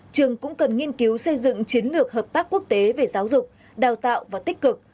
trường cũng cần nghiên cứu xây dựng chiến lược hợp tác quốc tế về giáo dục đào tạo và tích cực